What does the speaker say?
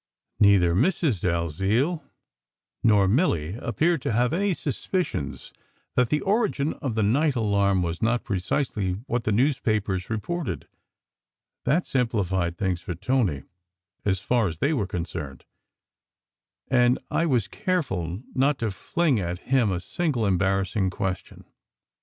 Neither Mrs! Dalziel nor Milly appeared to have any suspicions that the origin of the night alarm was not precisely what the newspapers reported; that simplified things for Tony, as far as they were concerned; and I was careful not to fling at him a single embarrassing question.